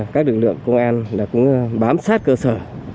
các lực lượng công an cũng bám sát cơ sở